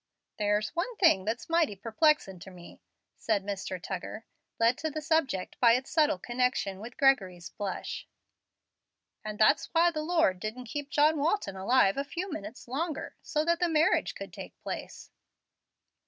"There's one thing that's mighty 'plexing to me," said Mr. Tuggar, led to the subject by its subtle connection with Gregory's blush, "and that's why the Lord didn't keep John Walton alive a few minutes longer, so that the marriage could take place."